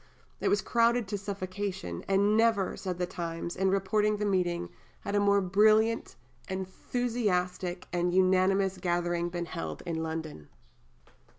It was crowded to suffocation; and never, said the Times, in reporting the meeting, had a more brilliant, enthusiastic, and unanimous gathering been held in London.